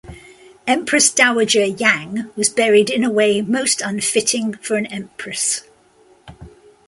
Empress Dowager Yang was buried in a way most unfitting for an empress.